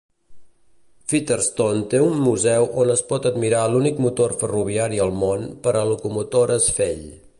Featherston té un museu on es pot admirar l'únic motor ferroviari al món per a locomotores Fell.